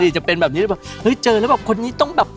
นี่จะเป็นแบบนี้เจอแล้วแบบคนนี้ต้องแบบ